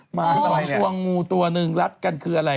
หมางตัวงูตัวหนึ่งรัดกันคืออะไร